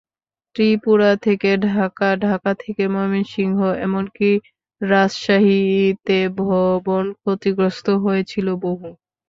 ত্রিপুরা থেকে ঢাকা, ঢাকা থেকে ময়মনসিংহ এমনকি রাজশাহীতে ভবন ক্ষতিগ্রস্ত হয়েছিল বহু।